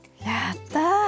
やった。